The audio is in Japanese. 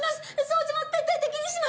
掃除も徹底的にします！